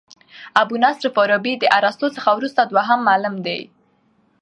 ابو نصر فارابي د ارسطو څخه وروسته دوهم معلم دئ.